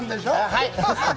はい。